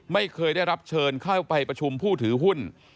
ไม่เคยได้รับเชิญเข้าไปประชุมผู้ถือหุ้น